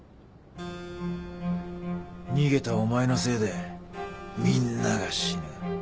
逃げたお前のせいでみんなが死ぬ。